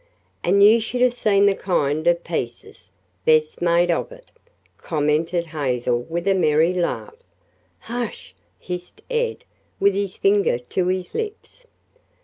"And you should have seen the kind of 'pieces' Bess made of it," commented Hazel with a merry laugh. "Hush!" hissed Ed with his finger to his lips.